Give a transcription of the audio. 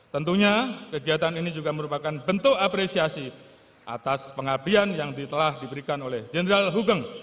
tentunya kegiatan ini juga merupakan bentuk apresiasi atas pengabdian yang telah diberikan oleh jenderal hugeng